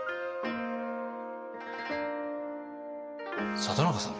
里中さん